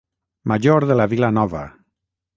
Major de la Vila Nova.